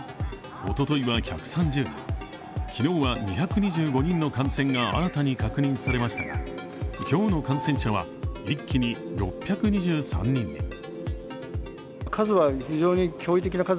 おとといは１３０人、昨日は２２５人の感染が新たに確認されましたが今日の感染者は一気に６２３人に。